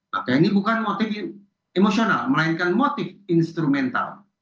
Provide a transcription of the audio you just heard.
maka ini bukan motif emosional melainkan motif instrumental